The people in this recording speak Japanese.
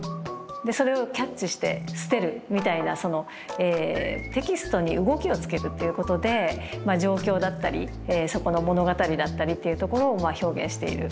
それをキャッチして捨てるみたいなテキストに動きをつけるっていうことでまあ状況だったりそこの物語だったりっていうところを表現している。